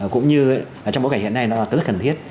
cũng như là trong mỗi ngày hiện nay nó rất cần thiết